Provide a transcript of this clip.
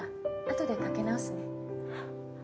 後でかけ直すね。